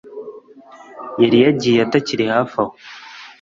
yari yagiye atakiri hafi aho